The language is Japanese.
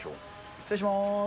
失礼します。